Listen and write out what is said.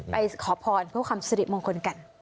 ขอพรเพื่อความสิริมงคลกัน